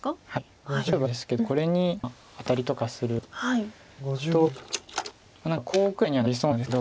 例えばですけどこれにアタリとかすると何かコウぐらいにはなりそうなんですけど。